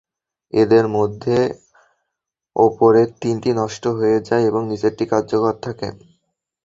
এদের মধ্যে ওপরের তিনটি নষ্ট হয়ে যায় এবং নিচেরটি কার্যকর থাকে।